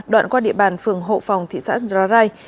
đoạn qua địa bàn phường hộ phòng thị xã gia rai